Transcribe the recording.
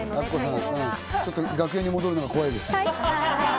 ちょっと楽屋に戻るのが怖いです。